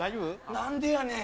何でやねん。